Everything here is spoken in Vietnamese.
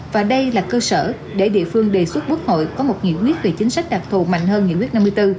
và đây là cơ sở để địa phương đề xuất quốc hội có một nghị quyết về chính sách đặc thù mạnh hơn nghị quyết năm mươi bốn